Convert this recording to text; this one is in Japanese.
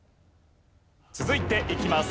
続いていきます。